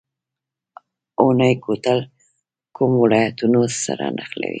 اونی کوتل کوم ولایتونه سره نښلوي؟